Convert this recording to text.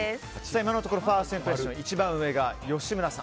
今のところファーストインプレッション一番上が吉村さん